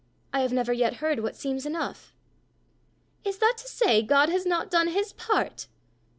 I have never yet heard what seems enough." "Is that to say God has not done his part?"